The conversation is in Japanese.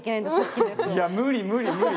いや無理無理無理。